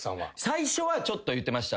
最初はちょっと言ってました。